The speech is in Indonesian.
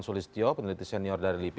prof herb harman peneliti senior dari lipi